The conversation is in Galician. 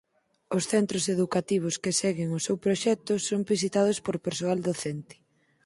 Os centros educativos que seguen o seu proxecto son visitados por persoal docente.